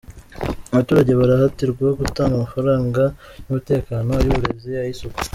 Abaturage barahatirwa gutanga amafaranga y’umutekano; ay’uburezi, ay’isuku.